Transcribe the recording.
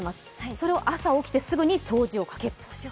それを朝、起きてすぐに掃除機をかける。